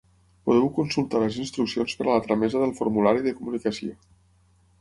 Podeu consultar les instruccions per a la tramesa del formulari de comunicació.